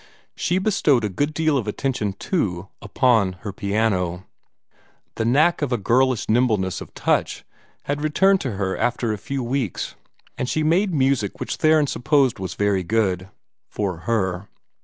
She bestowed a good deal of attention, too, upon her piano. The knack of a girlish nimbleness of touch had returned to her after a few weeks, and she made music which Theron supposed was very good for her.